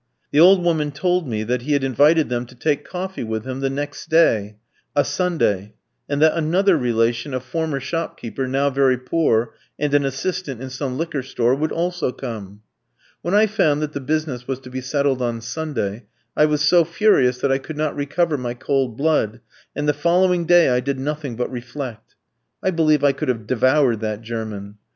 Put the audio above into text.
The old woman told me that he had invited them to take coffee with him the next day, a Sunday, and that another relation, a former shopkeeper, now very poor, and an assistant in some liquor store, would also come. When I found that the business was to be settled on Sunday, I was so furious that I could not recover my cold blood, and the following day I did nothing but reflect. I believe I could have devoured that German.